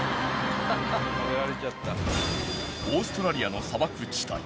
［オーストラリアの砂漠地帯］